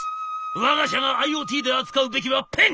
わが社がＩｏＴで扱うべきはペン！